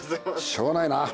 しょうがないな。